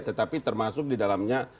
tetapi termasuk di dalamnya